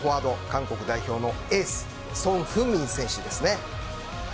韓国代表のエースソン・フンミン選手です。